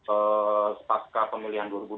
ee sepaskah pemilihan dua ribu dua puluh empat